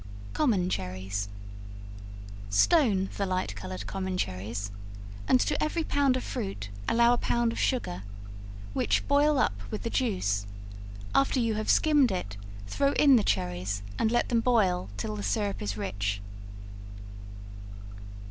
Common Cherries. Stone the light colored common cherries, and to every pound of fruit, allow a pound of sugar, which boil up with the juice; after you have skimmed it, throw in the cherries, and let them boil till the syrup is rich.